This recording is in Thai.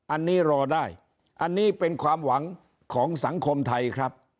อันนี้รอได้อันนี้เป็นความหวังของสังคมไทยครับ